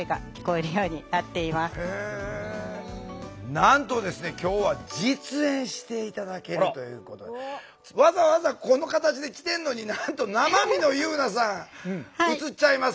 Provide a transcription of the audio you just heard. なんとですね今日は実演して頂けるということでわざわざこの形で来てんのになんと生身の夕菜さん映っちゃいます。